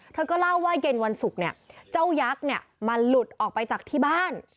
เธอก็เล่าว่าเย็นวันศุกร์เนี่ยเจ้ายักษ์เนี่ยมันหลุดออกไปจากที่บ้าน